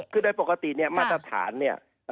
คือในปกติมาตรฐานเนี่ย